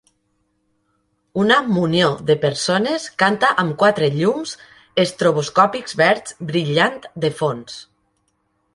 Una munió de persones canta amb quatre llums estroboscòpics verds brillant de fons.